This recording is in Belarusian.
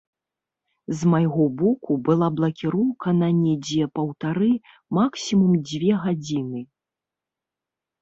З майго боку была блакіроўка на недзе паўтары - максімум дзве гадзіны.